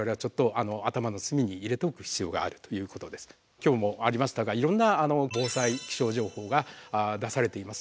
今日もありましたがいろんな防災・気象情報が出されています。